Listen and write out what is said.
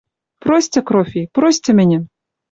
«Простьы, Крофи, простьы мӹньӹм...